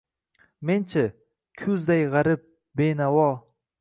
Men-chi, kuzday g‘arib, benavo